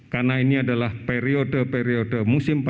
karena ini adalah periode periode musim pancaroba